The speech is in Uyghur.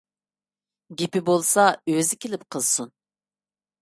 گېپى بولسا ئۆزى كېلىپ قىلسۇن!